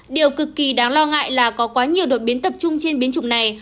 điều cực kỳ đáng lo ngại là có quá nhiều đột biến tập trung trên biến chủng này